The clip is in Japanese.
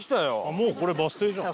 もうこれバス停じゃん。